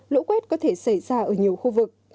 lũ quét có thể xảy ra ở nhiều khu vực